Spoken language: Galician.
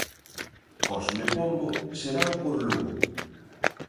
Cosme Pombo serao por Lugo.